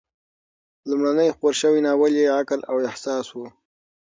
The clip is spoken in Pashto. لومړنی خپور شوی ناول یې "عقل او احساس" و.